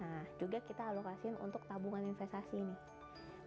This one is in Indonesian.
nah juga kita alokasiin untuk tabungan investasi nih